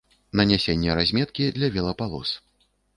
Нанясенне разметкі для велапалос.